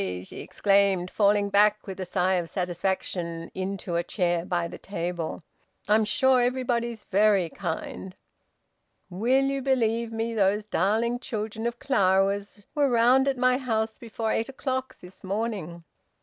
she exclaimed, falling back with a sigh of satisfaction into a chair by the table. "I'm sure everybody's very kind. Will you believe me, those darling children of Clara's were round at my house before eight o'clock this morning!"